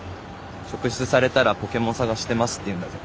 職質されたら「ポケモン探してます」って言うんだぞ。